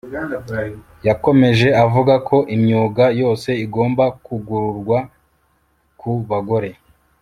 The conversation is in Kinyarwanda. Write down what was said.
Yakomeje avuga ko imyuga yose igomba kwugururwa ku bagore